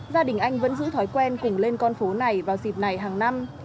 gia đình anh vẫn giữ thói quen cùng lên con phố này vào dịp này hàng năm